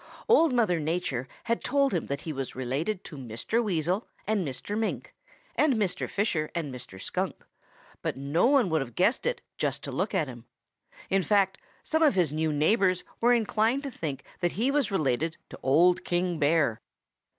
Old Mother Nature had told him that he was related to Mr. Weasel and Mr. Mink and Mr. Fisher and Mr. Skunk, but no one would have guessed it just to look at him. In fact, some of his new neighbors were inclined to think that he was related to Old King Bear.